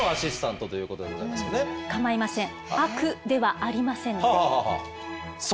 構いません。